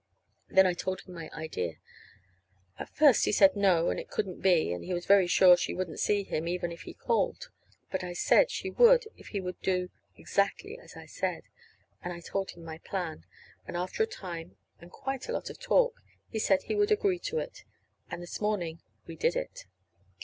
Then I told him my idea. At first he said no, and it couldn't be, and he was very sure she wouldn't see him, even if he called. But I said she would if he would do exactly as I said. And I told him my plan. And after a time and quite a lot of talk, he said he would agree to it. And this morning we did it.